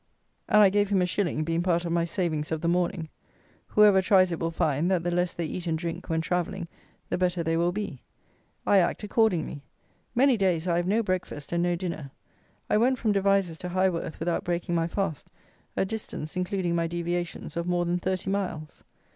And I gave him a shilling, being part of my savings of the morning. Whoever tries it will find, that the less they eat and drink, when travelling, the better they will be. I act accordingly. Many days I have no breakfast and no dinner. I went from Devizes to Highworth without breaking my fast, a distance, including my deviations, of more than thirty miles.